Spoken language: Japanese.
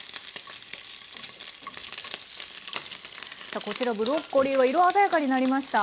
さあこちらブロッコリーは色鮮やかになりました。